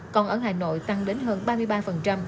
còn ở hà nội tăng đến hơn ba mươi ba